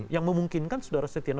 yang memungkinkan sudara setianopanto